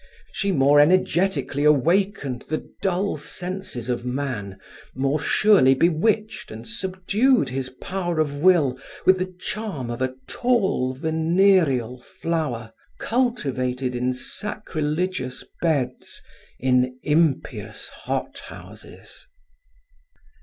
She more energetically awakened the dulled senses of man, more surely bewitched and subdued his power of will, with the charm of a tall venereal flower, cultivated in sacrilegious beds, in impious hothouses.